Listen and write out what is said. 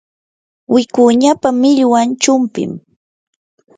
wikuñapa millwan chumpim.